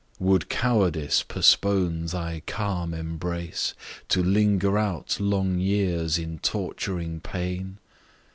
Would Cowardice postpone thy calm embrace, To linger out long years in torturing pain?